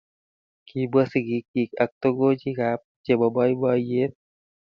Kibwa sigikchi ak togochikab chebo boiboiyet